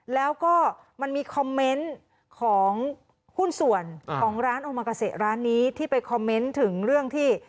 แล้วก็มันมีคอมเมนต์ของหุ้นส่วนของร้านโอมากาเซร้านนี้ที่ไปคอมเมนต์ถึงเรื่องที่